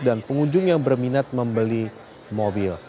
dan pengunjung yang berminat membeli mobil